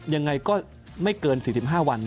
ยังไงก็ไม่เกิน๔๕วัน